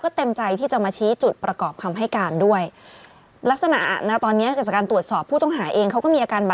เขาให้สัมภาษณ์นะครับถือแฟนนะครับ